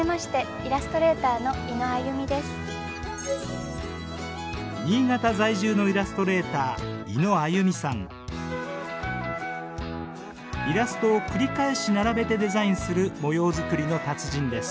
イラストを繰り返し並べてデザインする模様作りの達人です。